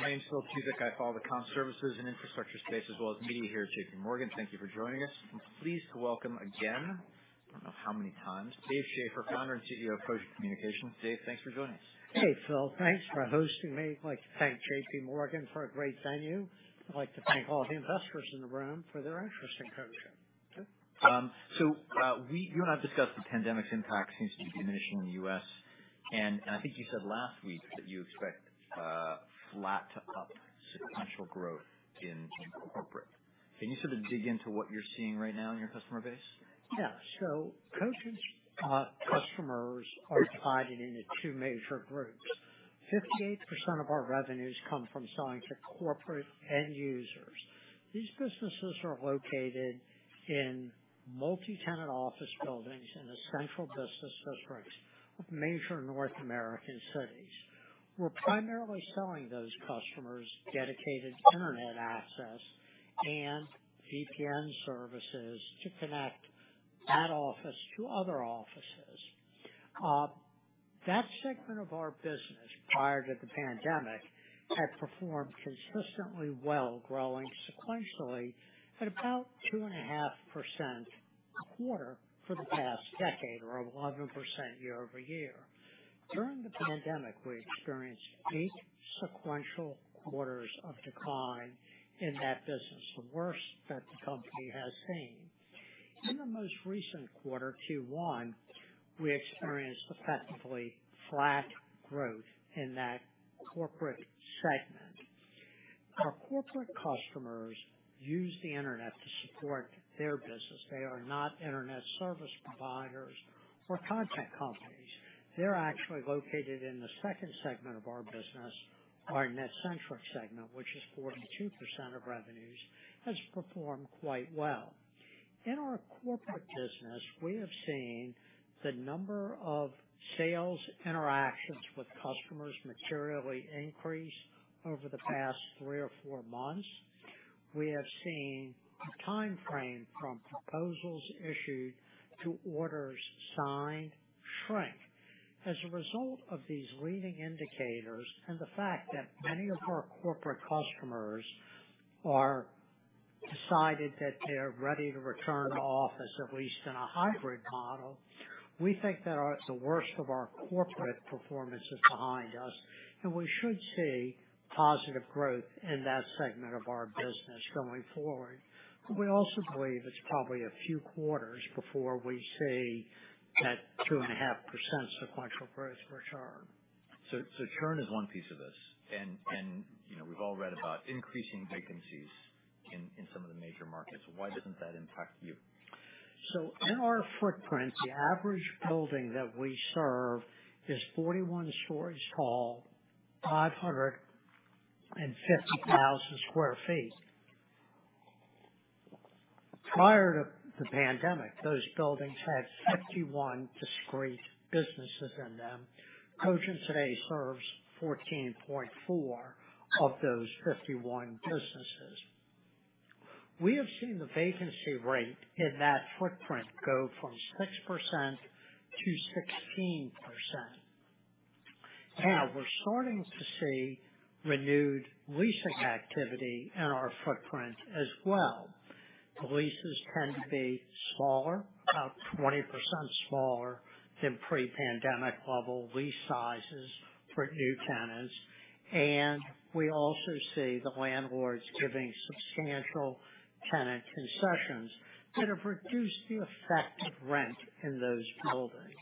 My name's Philip Cusick. I follow the comm services and infrastructure space, as well as media here at JPMorgan. Thank you for joining us. I'm pleased to welcome again, I don't know how many times, Dave Schaeffer, founder and CEO of Cogent Communications. Dave, thanks for joining us. Hey, Phil. Thanks for hosting me. I'd like to thank JPMorgan for a great venue. I'd like to thank all the investors in the room for their interest in Cogent. You and I have discussed the pandemic's impact seems to be diminishing in the U.S., and I think you said last week that you expect flat to up sequential growth in corporate. Can you sort of dig into what you're seeing right now in your customer base? Yeah. Cogent's customers are divided into 2 major groups. 58% of our revenues come from selling to corporate end users. These businesses are located in multi-tenant office buildings in the central business districts of major North American cities. We're primarily selling those customers Dedicated Internet Access and VPN services to connect that office to other offices. That segment of our business, prior to the pandemic, had performed consistently well, growing sequentially at about 2.5% a quarter for the past decade or 11% year-over-year. During the pandemic, we experienced 8 sequential quarters of decline in that business, the worst that the company has seen. In the most recent quarter, Q1, we experienced effectively flat growth in that corporate segment. Our corporate customers use the internet to support their business. They are not internet service providers or content companies. They're actually located in the second segment of our business, our NetCentric segment, which is 42% of revenues, has performed quite well. In our corporate business, we have seen the number of sales interactions with customers materially increase over the past 3 or 4 months. We have seen the timeframe from proposals issued to orders signed shrink. As a result of these leading indicators and the fact that many of our corporate customers have decided that they're ready to return to office, at least in a hybrid model, we think that our, the worst of our corporate performance is behind us, and we should see positive growth in that segment of our business going forward. We also believe it's probably a few quarters before we see that 2.5% sequential growth return. Churn is one piece of this. You know, we've all read about increasing vacancies in some of the major markets. Why doesn't that impact you? In our footprint, the average building that we serve is 41 stories tall, 550,000 sq ft. Prior to the pandemic, those buildings had 51 discrete businesses in them. Cogent today serves 14.4 of those 51 businesses. We have seen the vacancy rate in that footprint go from 6% to 16%. Now, we're starting to see renewed leasing activity in our footprint as well. The leases tend to be smaller, about 20% smaller than pre-pandemic level lease sizes for new tenants. We also see the landlords giving substantial tenant concessions that have reduced the effective rent in those buildings.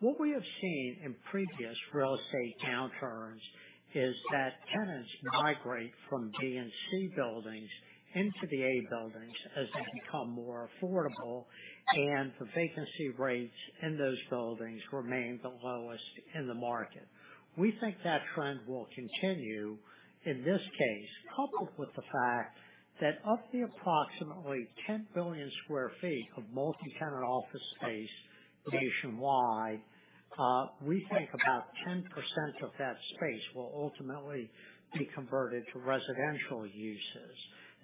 What we have seen in previous real estate downturns is that tenants migrate from B and C buildings into the A buildings as they become more affordable, and the vacancy rates in those buildings remain the lowest in the market. We think that trend will continue in this case, coupled with the fact that of the approximately 10 billion sq ft of multi-tenant office space nationwide, we think about 10% of that space will ultimately be converted to residential uses.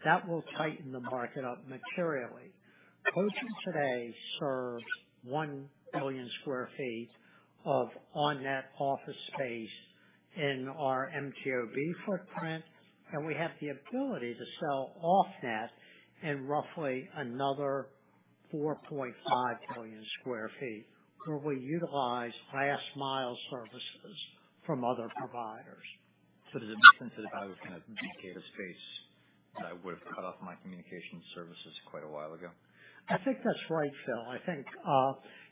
That will tighten the market up materially. Cogent today serves 1 billion sq ft of on-net office space in our MTOB footprint, and we have the ability to sell off-net in roughly another 4.5 billion sq ft, where we utilize last mile services from other providers. Does it make sense that if I were kind of in data space that I would have cut off my communication services quite a while ago? I think that's right, Phil. I think,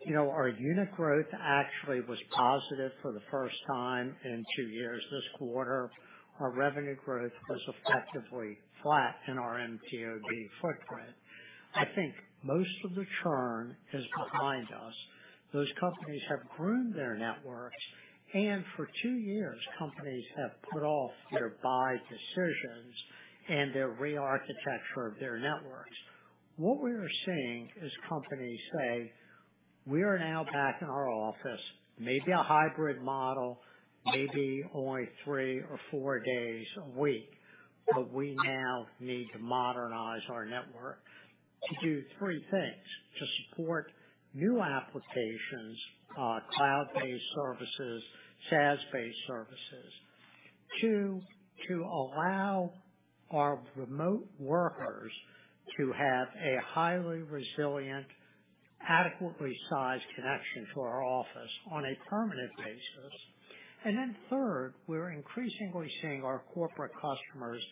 you know, our unit growth actually was positive for the first time in 2 years this quarter. Our revenue growth was effectively flat in our MTOB footprint. I think most of the churn is behind us. Those companies have groomed their networks, and for two years, companies have put off their buy decisions and their re-architecture of their networks. What we are seeing is companies say, "We are now back in our office, maybe a hybrid model, maybe only 3 or 4 days a week." We now need to modernize our network to do three things to support new applications, cloud-based services, SaaS-based services. 2, to allow our remote workers to have a highly resilient, adequately sized connection to our office on a permanent basis. Third, we're increasingly seeing our corporate customers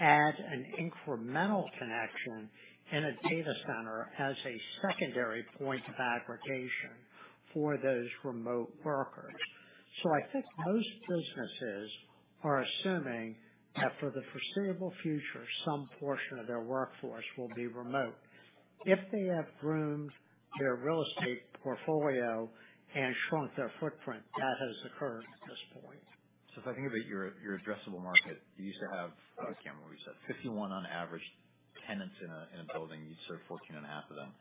add an incremental connection in a data center as a secondary point of aggregation for those remote workers. I think most businesses are assuming that for the foreseeable future, some portion of their workforce will be remote. If they have groomed their real estate portfolio and shrunk their footprint, that has occurred at this point. If I think about your addressable market, you used to have, can't remember what you said, 51 on average tenants in a building. You'd serve 14.5 of them.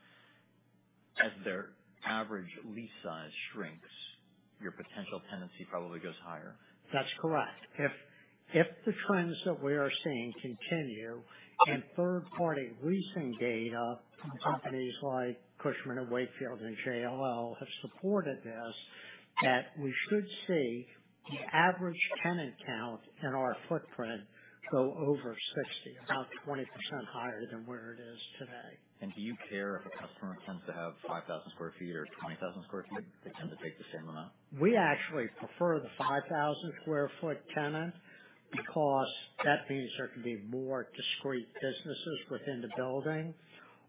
As their average lease size shrinks, your potential tenancy probably goes higher. That's correct. If the trends that we are seeing continue, and third-party leasing data from companies like Cushman & Wakefield and JLL have supported this, that we should see the average tenant count in our footprint go over 60, about 20% higher than where it is today. Do you care if a customer tends to have 5,000 sq ft or 20,000 sq ft? They tend to take the same amount. We actually prefer the 5,000 sq ft tenant because that means there can be more discrete businesses within the building.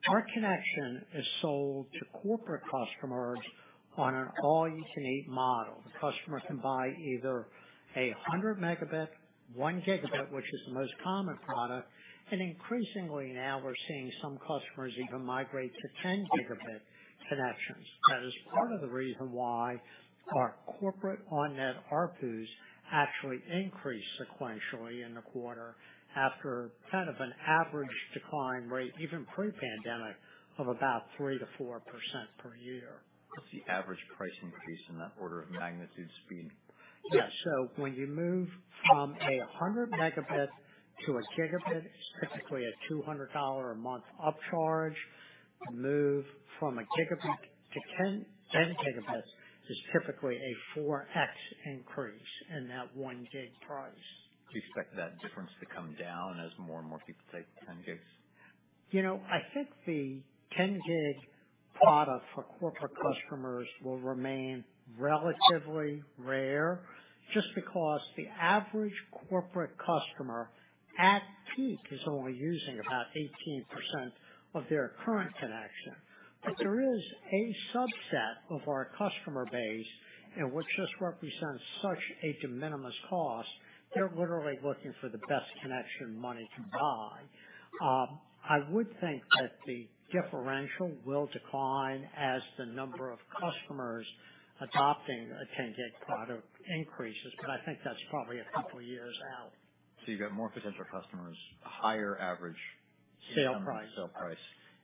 Our connection is sold to corporate customers on an all-you-can-eat model. The customer can buy either a 100 megabit, 1 gigabit, which is the most common product. Increasingly now we're seeing some customers even migrate to 10 gigabit connections. That is part of the reason why our corporate on-net ARPU actually increased sequentially in the quarter after kind of an average decline rate, even pre-pandemic, of about 3%-4% per year. What's the average price increase in that order of magnitude speed? When you move from 100 megabits to a gigabit, it's typically a $200 a month upcharge. To move from a gigabit to 10 gigabits is typically a 4x increase in that 1 gig price. Do you expect that difference to come down as more and more people take 10 gigs? You know, I think the 10 gig product for corporate customers will remain relatively rare just because the average corporate customer at peak is only using about 18% of their current connection. There is a subset of our customer base in which this represents such a de minimis cost, they're literally looking for the best connection money can buy. I would think that the differential will decline as the number of customers adopting a 10 gig product increases, but I think that's probably a couple of years out. You've got more potential customers, higher average- Sale price. Sale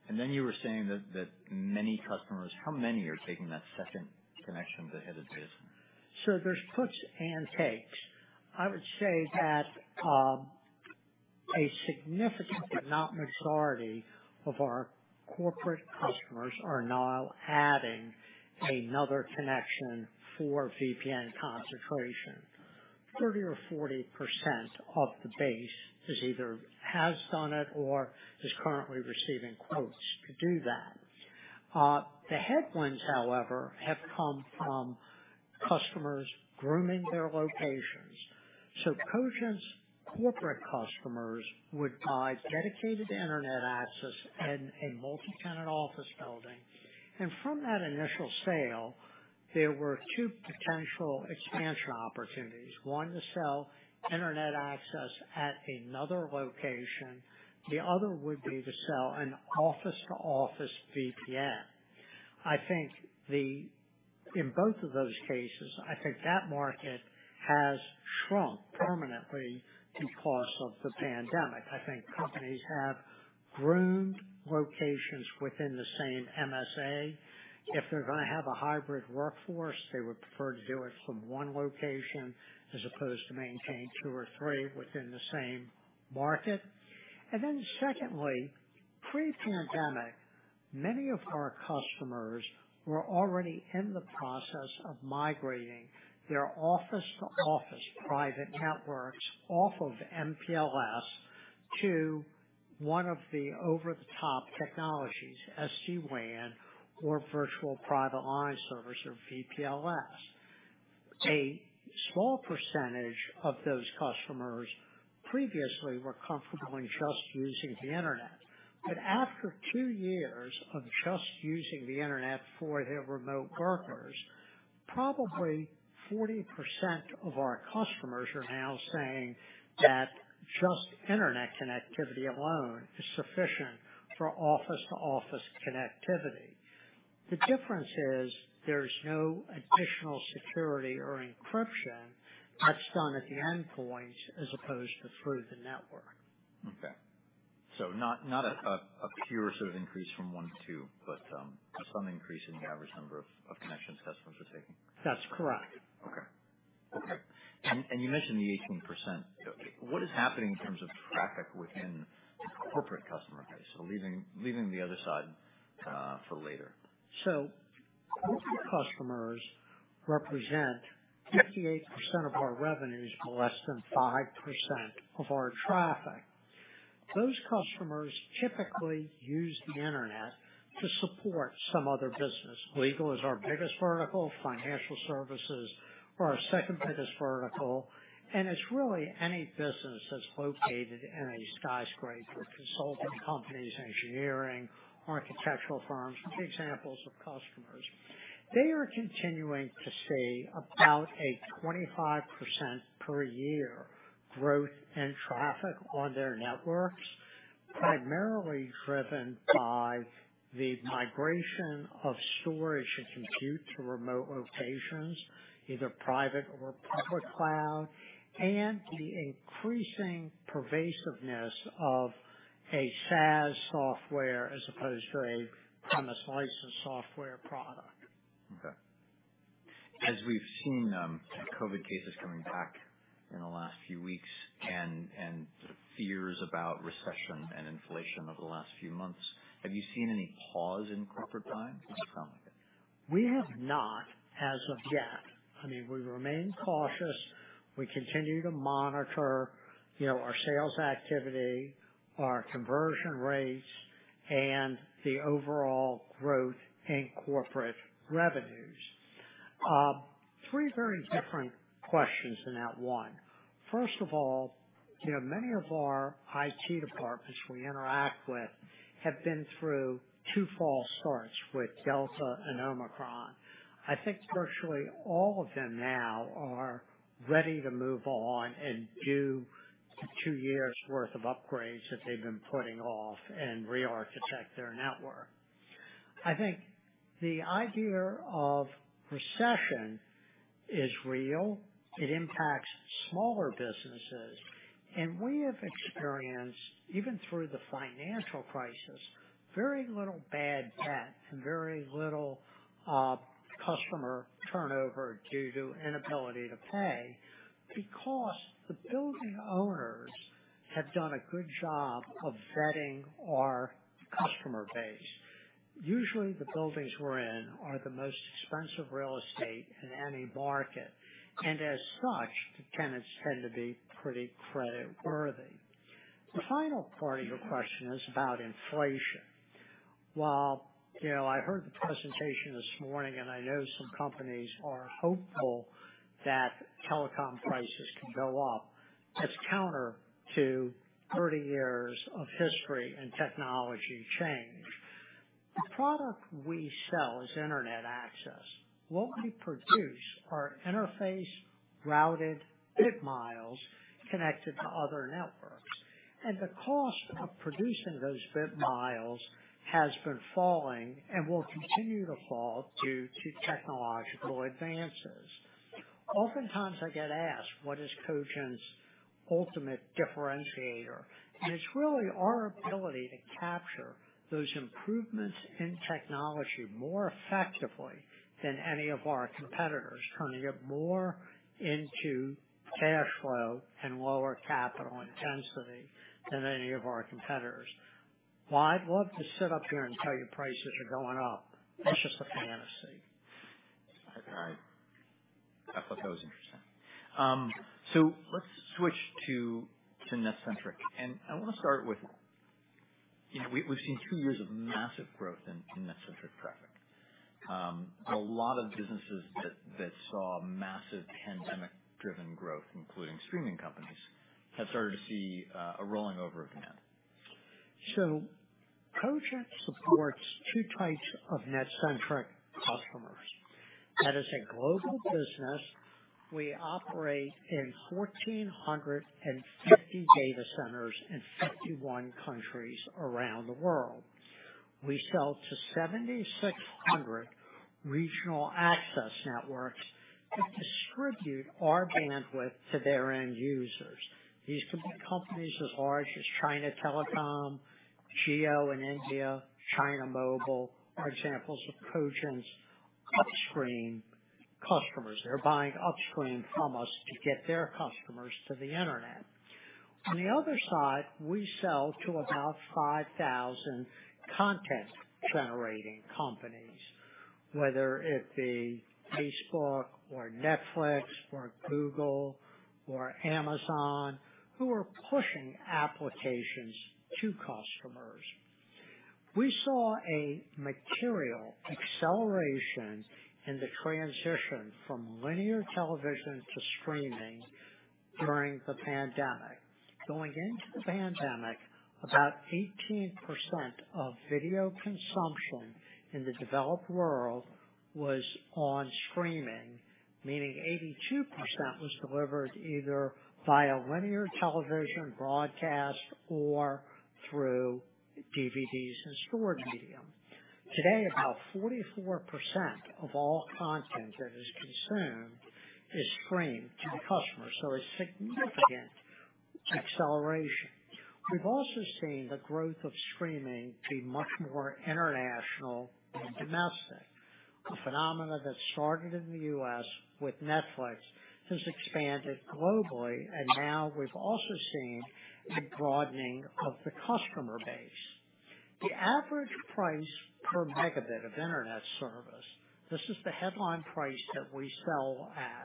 price. Then you were saying that many customers. How many are taking that second connection to the head of the business? There's gives and takes. I would say that a significant, but not majority of our corporate customers are now adding another connection for VPN concentration. 30 or 40% of the base is either has done it or is currently receiving quotes to do that. The headwinds, however, have come from customers grooming their locations. Cogent's corporate customers would buy Dedicated Internet Access in a multi-tenant office building. From that initial sale, there were 2 potential expansion opportunities. One, to sell internet access at another location. The other would be to sell an office-to-office VPN. I think in both of those cases, I think that market has shrunk permanently because of the pandemic. Companies have groomed locations within the same MSA. If they're gonna have a hybrid workforce, they would prefer to do it from one location as opposed to maintain two or three within the same market. Then secondly, pre-pandemic, many of our customers were already in the process of migrating their office-to-office private networks off of MPLS to one of the over-the-top technologies, SD-WAN or virtual private line service or VPLS. A small percentage of those customers previously were comfortable in just using the internet. After two years of just using the internet for their remote workers, probably 40% of our customers are now saying that just internet connectivity alone is sufficient for office-to-office connectivity. The difference is there's no additional security or encryption that's done at the endpoint as opposed to through the network. Okay. Not a pure sort of increase from 1 to 2, but some increase in the average number of connections customers are taking. That's correct. Okay. You mentioned the 18%. What is happening in terms of traffic within the corporate customer base? Leaving the other side, for later. Corporate customers represent 58% of our revenues, but less than 5% of our traffic. Those customers typically use the internet to support some other business. Legal is our biggest vertical. Financial services are our second biggest vertical, and it's really any business that's located in a skyscraper. Consulting companies, engineering, architectural firms are examples of customers. They are continuing to see about a 25% per year growth in traffic on their networks, primarily driven by the migration of storage and compute to remote locations, either private or public cloud, and the increasing pervasiveness of a SaaS software as opposed to a premises license software product. Okay. As we've seen, COVID cases coming back in the last few weeks and fears about recession and inflation over the last few months, have you seen any pause in corporate buying? We have not as of yet. I mean, we remain cautious. We continue to monitor, you know, our sales activity, our conversion rates, and the overall growth in corporate revenues. Three very different questions in that one. First of all, you know, many of our IT departments we interact with have been through 2 false starts with Delta and Omicron. I think virtually all of them now are ready to move on and do two years’ worth of upgrades that they've been putting off and re-architect their network. I think the idea of recession is real. It impacts smaller businesses. We have experienced, even through the financial crisis, very little bad debt and very little customer turnover due to inability to pay because the building owners have done a good job of vetting our customer base. Usually, the buildings we're in are the most expensive real estate in any market, and as such, the tenants tend to be pretty creditworthy. The final part of your question is about inflation. While, you know, I heard the presentation this morning, and I know some companies are hopeful that telecom prices can go up, that's counter to 30 years of history and technology change. The product we sell is internet access. What we produce are interface routed bit miles connected to other networks, and the cost of producing those bit miles has been falling and will continue to fall due to technological advances. Oftentimes I get asked, what is Cogent's ultimate differentiator? It's really our ability to capture those improvements in technology more effectively than any of our competitors, trying to get more into cash flow and lower capital intensity than any of our competitors. While I'd love to sit up here and tell you prices are going up, that's just a fantasy. All right. I thought that was interesting. Let's switch to NetCentric. I wanna start with, you know, we've seen two years of massive growth in NetCentric traffic. A lot of businesses that saw massive pandemic-driven growth, including streaming companies, have started to see a rolling over of demand. Cogent supports two types of NetCentric customers. That is a global business. We operate in 1,450 data centers in 51 countries around the world. We sell to 7,600 regional access networks that distribute our bandwidth to their end users. These could be companies as large as China Telecom, Jio in India, China Mobile, are examples of Cogent's upstream customers. They're buying upstream from us to get their customers to the internet. On the other side, we sell to about 5,000 content generating companies, whether it be Facebook or Netflix or Google or Amazon, who are pushing applications to customers. We saw a material acceleration in the transition from linear television to streaming during the pandemic. Going into the pandemic, about 18% of video consumption in the developed world was on streaming, meaning 82% was delivered either via linear television broadcast or through DVDs and storage medium. Today, about 44% of all content that is consumed is streamed to the customer. It's significant acceleration. We've also seen the growth of streaming be much more international than domestic. A phenomenon that started in the U.S. with Netflix has expanded globally, and now we've also seen a broadening of the customer base. The average price per megabit of internet service, this is the headline price that we sell at.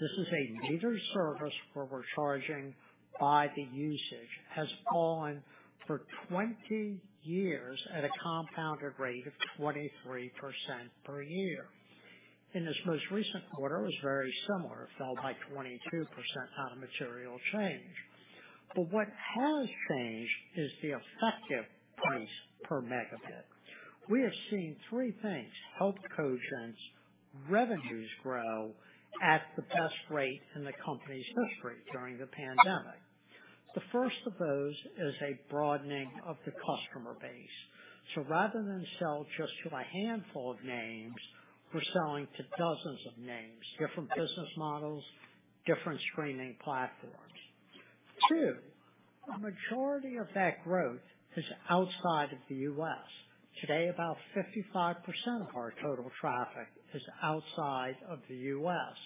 This is a metered service where we're charging by the usage has fallen for 20 years at a compounded rate of 23% per year. In this most recent quarter, it was very similar. It fell by 22%, not a material change. What has changed is the effective price per megabit. We are seeing three things help Cogent's revenues grow at the best rate in the company's history during the pandemic. The first of those is a broadening of the customer base. Rather than sell just to a handful of names, we're selling to dozens of names, different business models, different streaming platforms. 2, a majority of that growth is outside of the U.S. Today, about 55% of our total traffic is outside of the U.S.,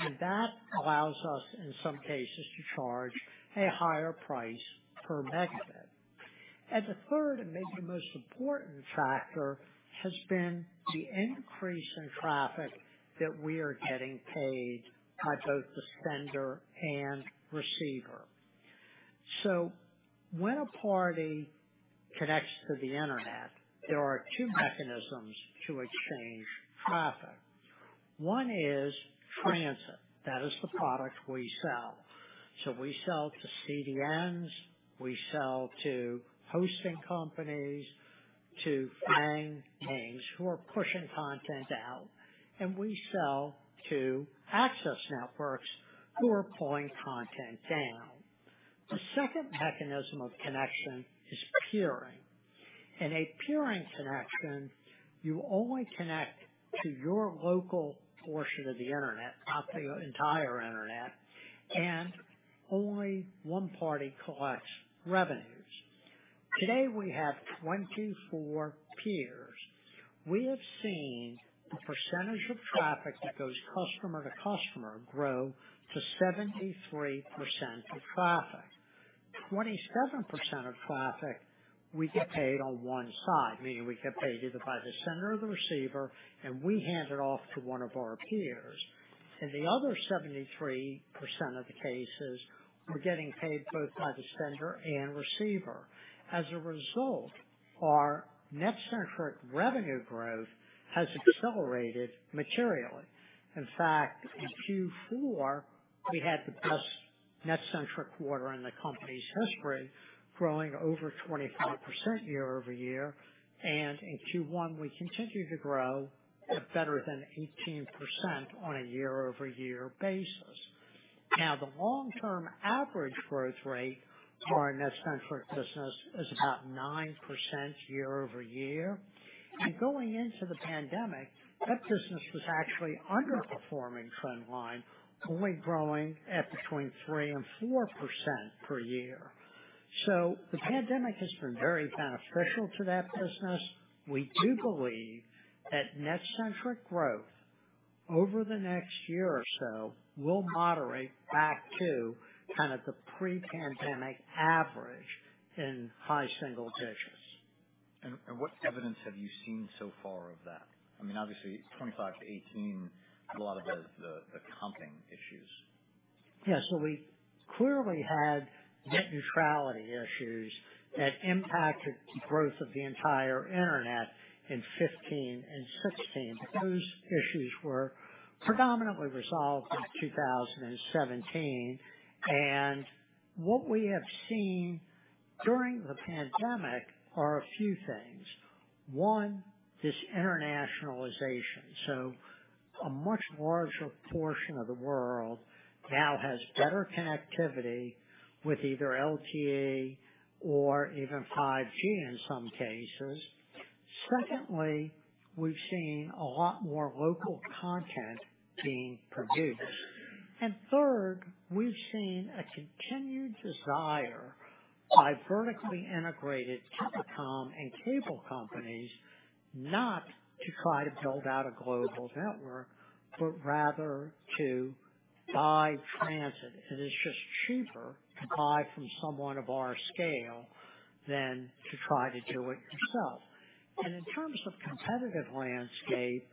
and that allows us, in some cases, to charge a higher price per megabit. The third, and maybe the most important factor, has been the increase in traffic that we are getting paid by both the sender and receiver. When a party connects to the Internet, there are two mechanisms to exchange traffic. One is transit. That is the product we sell. We sell to CDNs, we sell to hosting companies, to FAANG teams who are pushing content out, and we sell to access networks who are pulling content down. The second mechanism of connection is peering. In a peering connection, you only connect to your local portion of the Internet, not the entire Internet, and only one party collects revenues. Today we have 24 peers. We have seen the percentage of traffic that goes customer to customer grow to 73% of traffic. 27% of traffic we get paid on one side, meaning we get paid either by the sender or the receiver, and we hand it off to one of our peers. In the other 73% of the cases, we're getting paid both by the sender and receiver. As a result, our NetCentric revenue growth has accelerated materially. In fact, in Q4, we had the best NetCentric quarter in the company's history, growing over 25% year-over-year. In Q1, we continued to grow at better than 18% on a year-over-year basis. Now, the long term average growth rate for our NetCentric business is about 9% year-over-year. Going into the pandemic, that business was actually underperforming trend line, only growing at between 3% and 4% per year. The pandemic has been very beneficial to that business. We do believe that NetCentric growth over the next year or so will moderate back to kind of the pre-pandemic average in high single digits. What evidence have you seen so far of that? I mean, obviously 25-18, a lot of the comping issues. Yeah. We clearly had Net neutrality issues that impacted growth of the entire internet in 2015 and 2016. Those issues were predominantly resolved in 2017. What we have seen during the pandemic are a few things. One, this internationalization. A much larger portion of the world now has better connectivity with either LTE or even 5G in some cases. Secondly, we've seen a lot more local content being produced. Third, we've seen a continued desire by vertically integrated telecom and cable companies not to try to build out a global network, but rather to buy transit. It is just cheaper to buy from someone of our scale than to try to do it yourself. In terms of competitive landscape,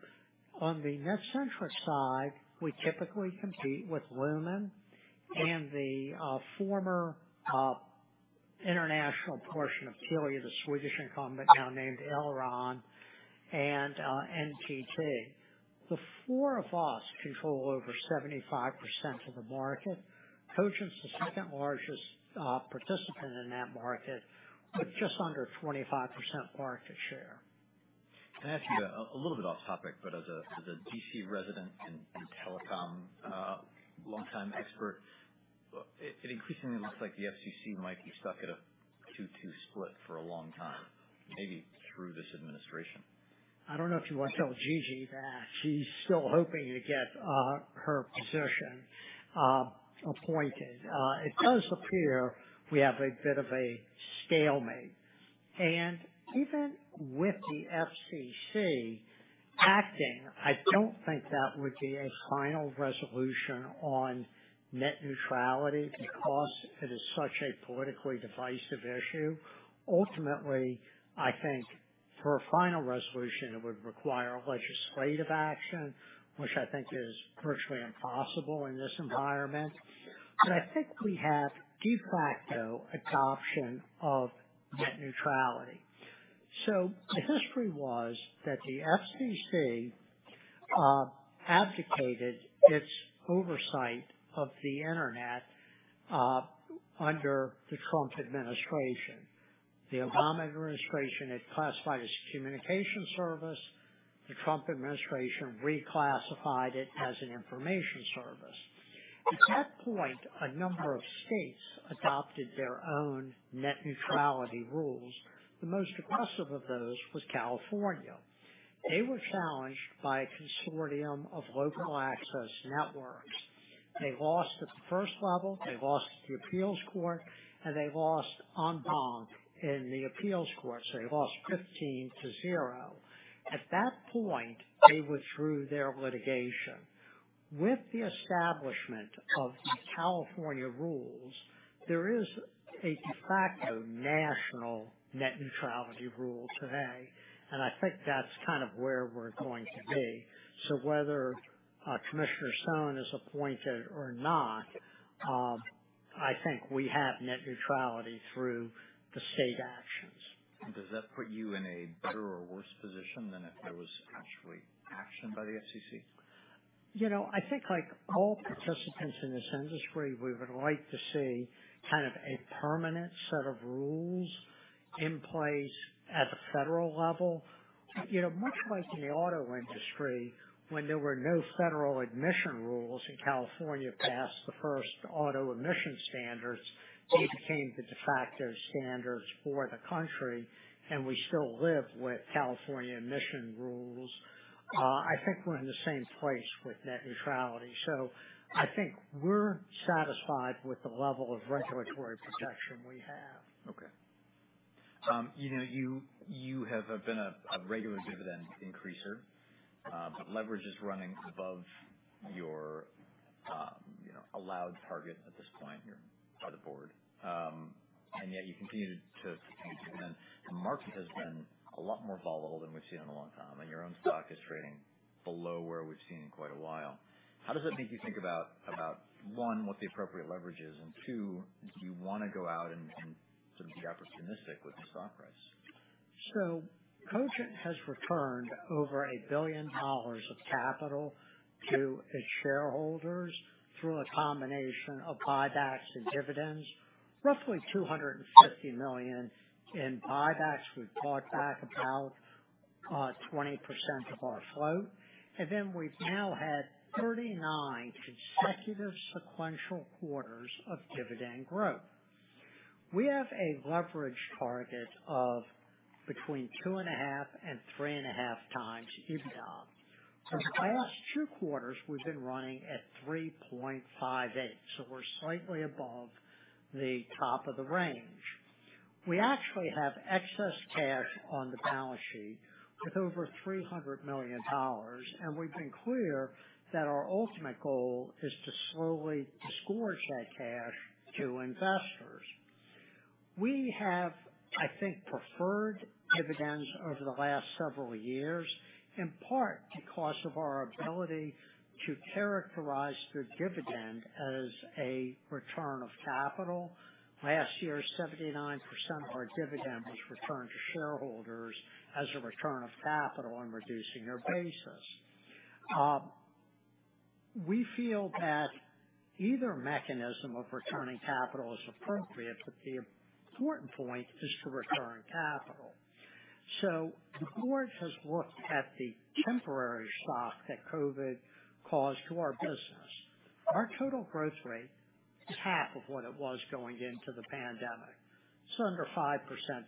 on the NetCentric side, we typically compete with Lumen and the former international portion of Telia, the Swedish incumbent now named Arelion and NTT. The four of us control over 75% of the market. Cogent's the second largest participant in that market with just under 25% market share. Can I ask you a little bit off topic, but as a D.C. resident and telecom longtime expert? Well, it increasingly looks like the FCC might be stuck at a 2-2 split for a long time, maybe through this administration. I don't know if you wanna tell Gigi that. She's still hoping to get her position appointed. It does appear we have a bit of a stalemate. Even with the FCC acting, I don't think that would be a final resolution on net neutrality because it is such a politically divisive issue. Ultimately, I think for a final resolution, it would require legislative action, which I think is virtually impossible in this environment. I think we have de facto adoption of net neutrality. The history was that the FCC abdicated its oversight of the internet under the Trump administration. The Obama administration had classified as communication service. The Trump administration reclassified it as an information service. At that point, a number of states adopted their own net neutrality rules. The most aggressive of those was California. They were challenged by a consortium of local access networks. They lost at the first level. They lost at the appeals court, and they lost en banc in the appeals court, so they lost 15 to 0. At that point, they withdrew their litigation. With the establishment of the California rules, there is a de facto national net neutrality rule today, and I think that's kind of where we're going to be. Whether, Commissioner Sohn is appointed or not, I think we have net neutrality through the state actions. Does that put you in a better or worse position than if there was actually action by the FCC? You know, I think like all participants in this industry, we would like to see kind of a permanent set of rules in place at the federal level. You know, much like in the auto industry, when there were no federal emission rules and California passed the first auto emission standards, they became the de facto standards for the country, and we still live with California emission rules. I think we're in the same place with Net neutrality. I think we're satisfied with the level of regulatory protection we have. Okay. You know, you have been a regular dividend increaser. But leverage is running above your allowed target at this point by the board. Yet you continue to pay dividends. The market has been a lot more volatile than we've seen in a long time, and your own stock is trading below where we've seen in quite a while. How does that make you think about one, what the appropriate leverage is? Two, do you wanna go out and sort of be opportunistic with the stock price? Cogent has returned over $1 billion of capital to its shareholders through a combination of buybacks and dividends. Roughly $250 million in buybacks. We've bought back about 20% of our float. We've now had 39 consecutive sequential quarters of dividend growth. We have a leverage target of between 2.5 and 3.5x EBITDA. For the past 2 quarters, we've been running at 3.58, so we're slightly above the top of the range. We actually have excess cash on the balance sheet with over $300 million, and we've been clear that our ultimate goal is to slowly disgorge that cash to investors. We have, I think, preferred dividends over the last several years, in part because of our ability to characterize the dividend as a return of capital. Last year, 79% of our dividend was returned to shareholders as a return of capital and reducing their basis. We feel that either mechanism of returning capital is appropriate, but the important point is to return capital. The board has looked at the temporary shock that COVID caused to our business. Our total growth rate is half of what it was going into the pandemic. It's under 5%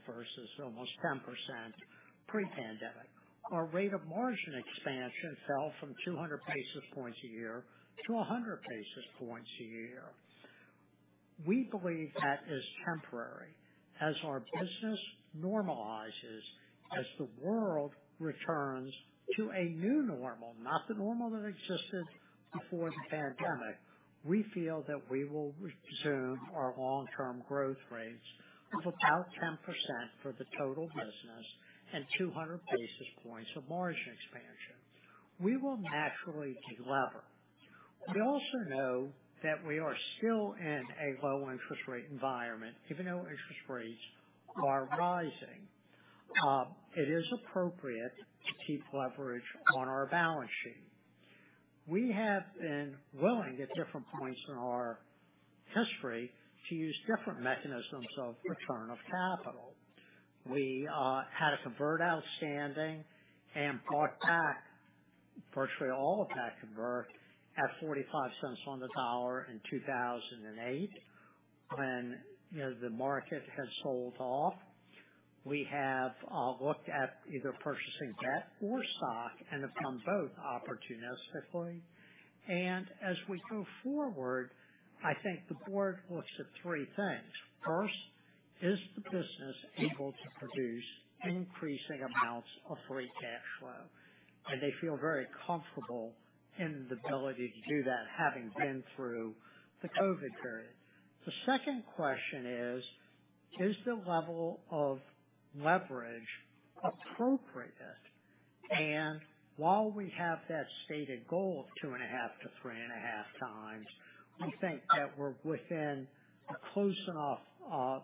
versus almost 10% pre-pandemic. Our rate of margin expansion fell from 200 basis points a year to 100 basis points a year. We believe that is temporary. As our business normalizes, as the world returns to a new normal, not the normal that existed before the pandemic, we feel that we will resume our long-term growth rates of about 10% for the total business and 200 basis points of margin expansion. We will naturally de-lever. We also know that we are still in a low interest rate environment, even though interest rates are rising. It is appropriate to keep leverage on our balance sheet. We have been willing, at different points in our history, to use different mechanisms of return of capital. We had a convert outstanding and bought back virtually all of that convert at 45 cents on the dollar in 2008. When, you know, the market has sold off, we have looked at either purchasing debt or stock and have done both opportunistically. As we go forward, I think the board looks at three things. First, is the business able to produce increasing amounts of free cash flow? They feel very comfortable in the ability to do that, having been through the COVID period. The second question is the level of leverage appropriate? While we have that stated goal of 2.5-3.5 times, we think that we're within a close enough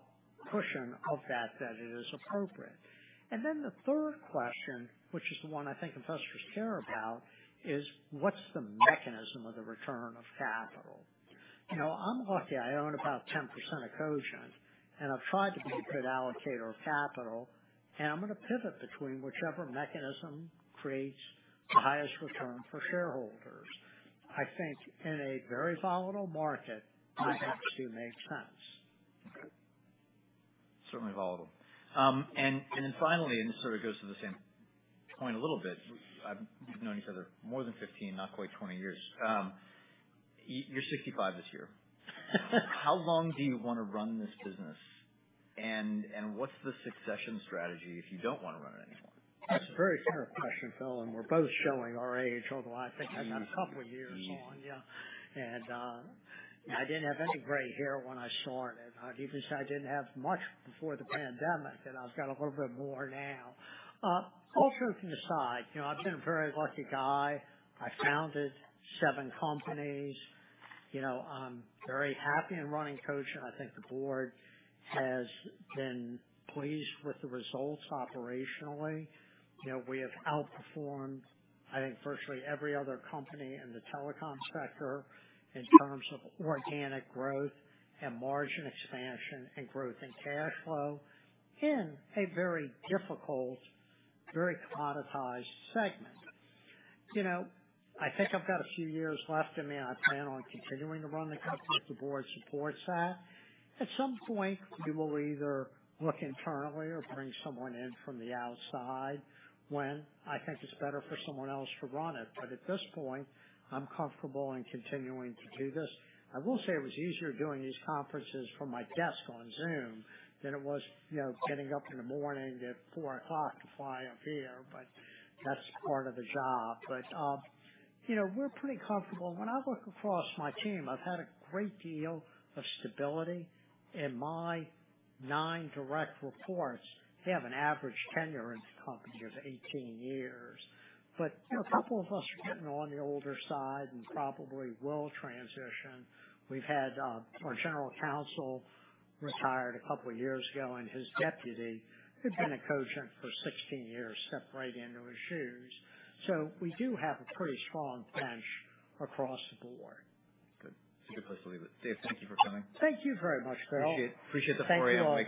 cushion of that it is appropriate. The third question, which is the one I think investors care about, is what's the mechanism of the return of capital? You know, I'm lucky I own about 10% of Cogent, and I've tried to be a good allocator of capital. I'm gonna pivot between whichever mechanism creates the highest return for shareholders. I think in a very volatile market, that actually makes sense. Certainly volatile. Then finally, this sort of goes to the same point a little bit. We've known each other more than 15, not quite 20 years. You're 65 this year. How long do you wanna run this business and what's the succession strategy if you don't wanna run it anymore? That's a very fair question, Phil, and we're both showing our age, although I think I've got a couple of years on you. I didn't have any gray hair when I started. I'd even say I didn't have much before the pandemic, and I've got a little bit more now. All truth to the side, you know, I've been a very lucky guy. I founded seven companies. You know, I'm very happy in running Cogent. I think the board has been pleased with the results operationally. You know, we have outperformed, I think, virtually every other company in the telecom sector in terms of organic growth and margin expansion and growth in cash flow in a very difficult, very commoditized segment. You know, I think I've got a few years left in me. I plan on continuing to run the company if the board supports that. At some point, we will either look internally or bring someone in from the outside when I think it's better for someone else to run it. At this point, I'm comfortable in continuing to do this. I will say it was easier doing these conferences from my desk on Zoom than it was, you know, getting up in the morning at 4:00 A.M. to fly up here. That's part of the job. You know, we're pretty comfortable. When I look across my team, I've had a great deal of stability. In my 9 direct reports, they have an average tenure in the company of 18 years. A couple of us are getting on the older side and probably will transition. We've had our general counsel retired a couple years ago, and his deputy, who'd been at Cogent for 16 years, stepped right into his shoes. We do have a pretty strong bench across the board. Good. Stick closely with Dave, thank you for coming. Thank you very much, Phil. Appreciate the forward mic.